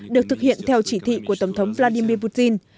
được thực hiện theo chỉ thị của tổng thống vladimir putin